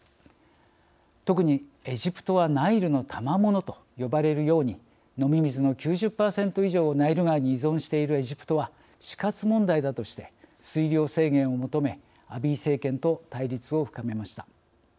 特にエジプトはナイルのたまものと呼ばれるように飲み水の９０％以上をナイル川に依存しているエジプトは死活問題だとして水量制限を求めアビー政権と対立を深めました。